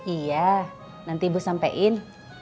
iya nanti ibu sampein